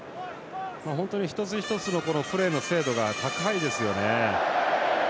本当に一つ一つのプレーの精度が高いですよね。